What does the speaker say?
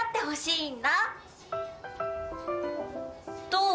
どう？